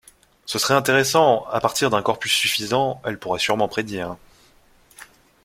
Ce serait intéressant, à partir d’un corpus suffisant, elle pourrait sûrement prédire…